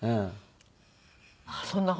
ああそんな事？